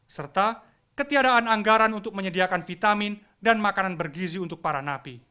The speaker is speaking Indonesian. serta ketiadaan anggaran untuk menyediakan vitamin dan makanan bergizi untuk para napi